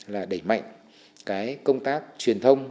là đẩy mạnh cái công tác truyền thông